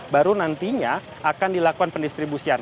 baru nantinya akan dilakukan pendistribusian